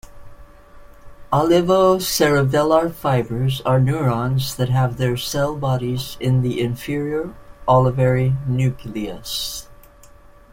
Olivocerebellar fibers are neurons that have their cell bodies in the inferior olivary nucleus.